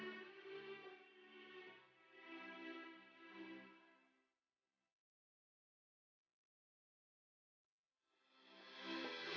papan pori dibootan babu isterimu malah